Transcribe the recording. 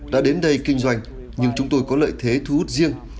đã đến đây kinh doanh nhưng chúng tôi có lợi thế thu hút riêng